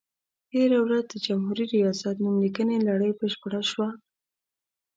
تېره ورځ د جمهوري ریاست نوم لیکنې لړۍ بشپړه شوه.